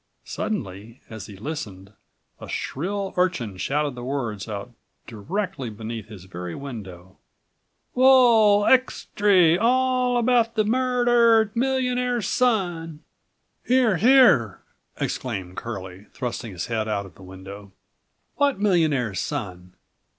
Suddenly, as he listened, a shrill urchin shouted the words out directly beneath his very window: "Wul—ex tree! All about the mur der ed millionaire's son!" "Here! Here!" exclaimed Curlie, thrusting his head out of the window. "What millionaire's son?